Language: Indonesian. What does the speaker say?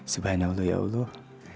subhanallah ya allah